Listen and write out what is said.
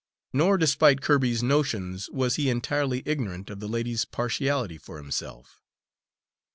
Nor, despite Kirby's notions, was he entirely ignorant of the lady's partiality for himself.